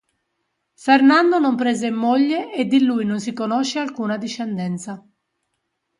Fernando non prese moglie e di lui non si conosce alcuna discendenza.